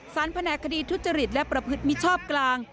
แผนกคดีทุจริตและประพฤติมิชชอบกลาง